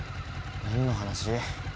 何の話？